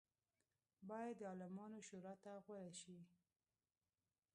باید د عالمانو شورا ته غوره شي.